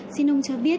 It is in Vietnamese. xin ông cho biết